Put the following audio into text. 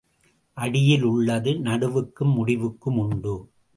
அடியில் உள்ளது நடுவுக்கும் முடிவுக்கும் உண்டு.